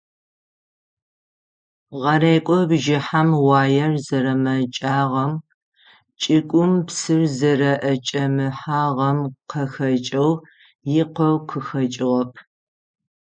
Гъэрекӏо бжьыхьэм уаер зэрэмэкӏагъэм, чӏыгум псыр зэрэӏэкӏэмыхьагъэм къахэкӏэу икъоу къыхэкӏыгъэп.